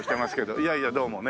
いやいやどうもね。